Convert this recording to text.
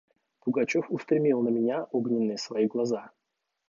Пугачев устремил на меня огненные свои глаза.